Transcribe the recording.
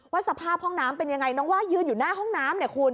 สภาพห้องน้ำเป็นยังไงน้องว่ายืนอยู่หน้าห้องน้ำเนี่ยคุณ